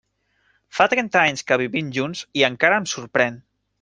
Fa trenta anys que vivim junts i encara em sorprèn.